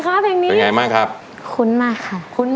ใครเธอที่ใฟมากกว่ากิน